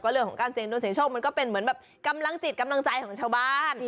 เรื่องการเซฬนดุ้นเชี่ยวโชคมันก็เป็นกำลังจิตกำลังใจของชาวบ้าน